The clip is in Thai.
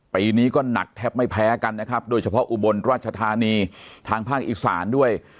ปีนี้ก็หนักแทบไม่แพ้กันนะครับโดยเฉพาะอุบลราชธานีทางภาคอีสานด้วย